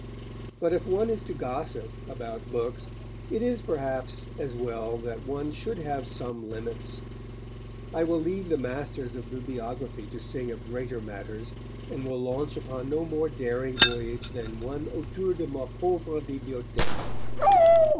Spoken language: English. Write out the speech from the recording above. But if one is to gossip about books, it is, perhaps, as well that one should have some limits. I will leave the masters of bibliography to sing of greater matters, and will launch upon no more daring voyage than one autour de ma pauvre bibliothèque.